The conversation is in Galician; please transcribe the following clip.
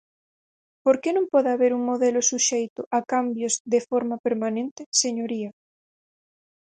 Porque non pode haber un modelo suxeito a cambios de forma permanente, señoría.